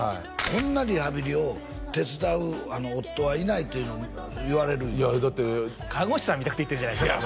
こんなリハビリを手伝う夫はいないっていうのを言われる看護師さん見たくて行ってるんじゃないですか？